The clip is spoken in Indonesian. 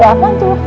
bawa apaan tuh